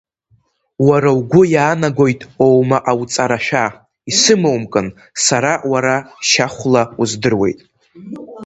Уара угәы иаанагоит оума ҟауҵарашәа, Исымоумкын, сара уара шьахәла уздыруеит!